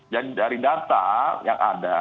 jadi dari data yang ada